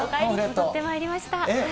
行ってまいりました。